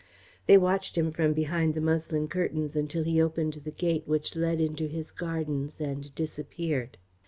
They watched him from behind the muslin curtains until he opened the gate which led into his gardens and disappeared.